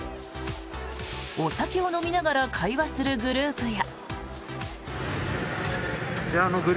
お酒を飲みながら会話するグループや。